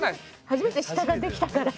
初めて下ができたから。